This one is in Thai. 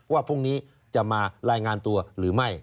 ว่าพรุ่งนี้จะมารายงานตัวหรือไม่